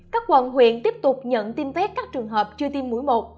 các quận huyện tiếp tục nhận tiêm phép các trường hợp chưa tiêm mũi một